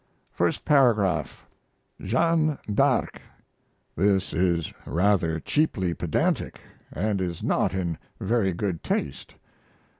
First Paragraph. "Jeanne d'Arc." This is rather cheaply pedantic, & is not in very good taste.